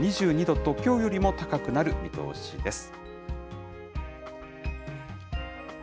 最高気温２２度と、きょうよりも高くなる見通しです。